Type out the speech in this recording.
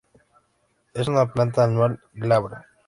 Es una planta anual, glabra.